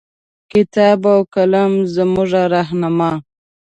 کتاب او قلم زمونږه رهنما